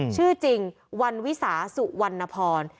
ชื่อจริงวันวิสาสุวรรณพร